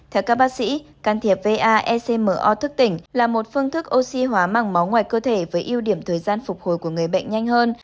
theo các bác sĩ can thiệp va ecmo thức tỉnh là một phương thức oxy hóa mạng máu ngoài cơ thể với yêu điểm thời gian phục hồi của người bệnh nhanh hơn